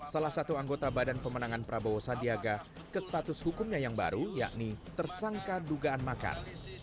salah satu anggota badan pemenangan prabowo sandiaga ke status hukumnya yang baru yakni tersangka dugaan makar